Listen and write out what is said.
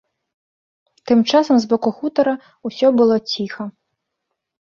Тым часам з боку хутара ўсё было ціха.